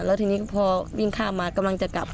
แล้วทีนี้พอวิ่งข้ามมากำลังจะกลับ